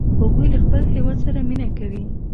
هغوی له خپل هیواد سره مینه کوي